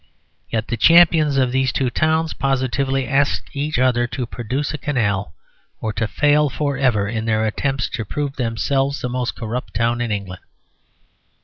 Yet the champions of these two towns positively ask each other to produce a canal, or to fail for ever in their attempt to prove themselves the most corrupt town in England.